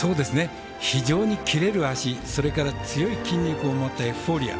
非常にキレる脚それから強い筋肉を持ったエフフォーリア。